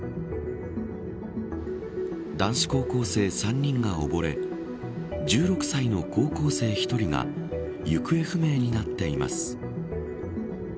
男子高校生３人が溺れ１６歳の高校生１人が行方不明になっています。